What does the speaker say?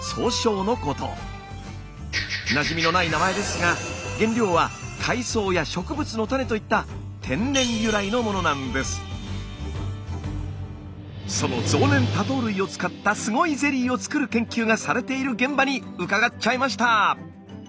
なじみのない名前ですが原料は海藻や植物の種といったその増粘多糖類を使ったすごいゼリーを作る研究がされている現場に伺っちゃいました。